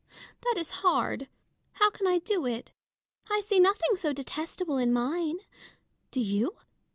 That is hard: how can I do it? I see nothing so detestable in mine. Do you